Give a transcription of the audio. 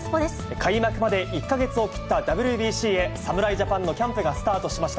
開幕まで１か月を切ったＷＢＣへ、侍ジャパンのキャンプがスタートしました。